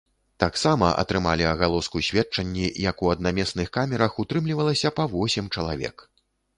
Таксама атрымалі агалоску сведчанні, як у аднаместных камерах утрымлівалася па восем чалавек.